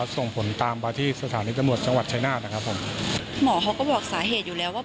ส่งผลตามมาที่สถานีตำรวจจังหวัดชายนาฏนะครับผมหมอเขาก็บอกสาเหตุอยู่แล้วว่า